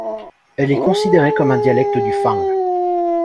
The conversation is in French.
Elle est considérée comme un dialecte du fang.